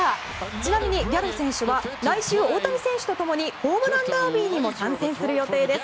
ちなみにギャロ選手は来週、大谷選手と共にホームランダービーにも参戦する予定です。